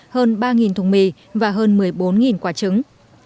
hơn ba thùng mì và hơn một mươi bốn quả trứng